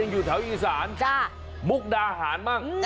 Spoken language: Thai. อยู่แถวอีสานมุกดาหารบ้าง